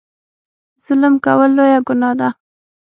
ظلم کول لویه ګناه ده.